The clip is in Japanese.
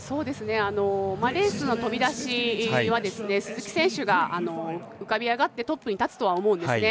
レースの飛び出しはですね鈴木選手が浮かび上がってトップに立つとは思うんですね。